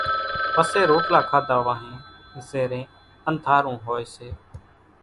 پسي روٽلا کاڌا وانھين زيرين انڌارو ھوئي سي